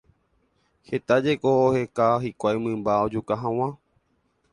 Heta jeko oheka hikuái mymba ojuka hag̃ua.